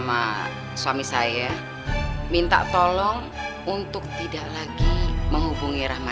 asal lo tau aja